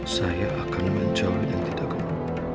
saya akan menjawab yang tidak kenal